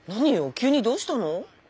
急にどうしたの？